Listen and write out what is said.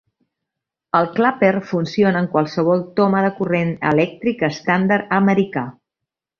El Clapper funciona amb qualsevol toma de corrent elèctric estàndard americà.